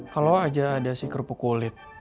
kalau aja ada si kerupuk kulit